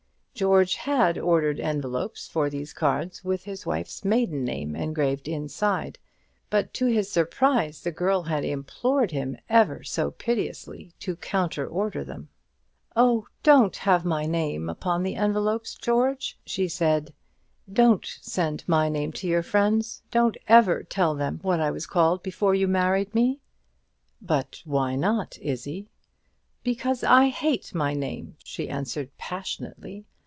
George had ordered envelopes for these cards with his wife's maiden name engraved inside; but, to his surprise, the girl had implored him, ever so piteously, to counter order them. "Oh, don't have my name upon the envelopes, George," she said; "don't send my name to your friends; don't ever tell them what I was called before you married me." "But why not, Izzie?" "Because I hate my name," she answered, passionately.